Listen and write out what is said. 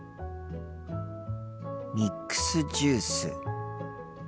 ミックスジュース。